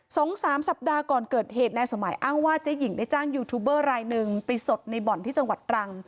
สองสามสัปดาห์ก่อนเกิดเหตุนายสมัยอ้างว่าเจ๊หญิงได้จ้างยูทูบเบอร์รายหนึ่งไปสดในบ่อนที่จังหวัดตรัง